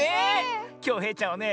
きょうへいちゃんはね